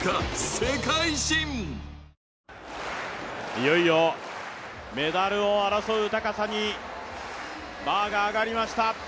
いよいよメダルを争う高さにバーが上がりました。